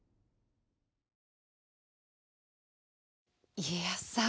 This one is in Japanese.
家康さん